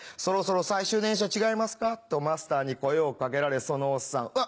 「そろそろ最終電車違いますか？」とマスターに声を掛けられそのおっさん。